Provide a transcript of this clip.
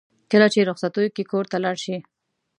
کله چې رخصتیو کې کور ته لاړ شي.